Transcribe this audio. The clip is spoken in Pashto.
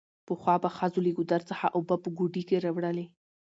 پخوا به ښځو له ګودر څخه اوبه په ګوډي کې راوړلې